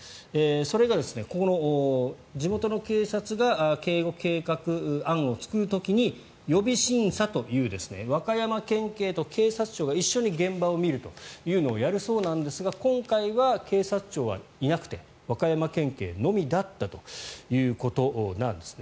それがここの地元の警察が警護計画案を作る時に予備審査という和歌山県警と警察庁が一緒に現場を見るというのをやるそうなんですが今回は警察庁はいなくて和歌山県警のみだったということなんです。